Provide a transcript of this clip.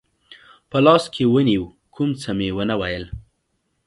په لاس کې ونیو، کوم څه مې و نه ویل.